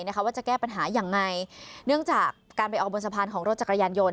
นะคะว่าจะแก้ปัญหายังไงเนื่องจากการไปออกบนสะพานของรถจักรยานยนต